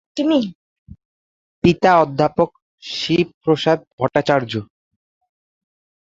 পিতা অধ্যাপক শিবপ্রসাদ ভট্টাচার্য।